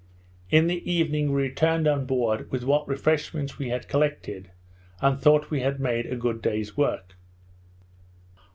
In the evening we returned on board with what refreshments we had collected, and thought we had made a good day's work.